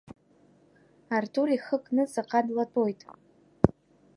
Артур ихы кны ҵаҟа длатәоит.